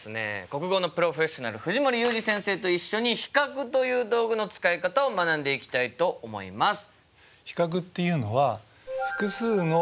国語のプロフェッショナル藤森裕治先生と一緒に比較という道具の使い方を学んでいきたいと思います。